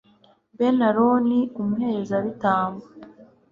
bene aroni umuherezabitambo